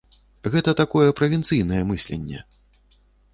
Гэта такое правінцыйнае мысленне.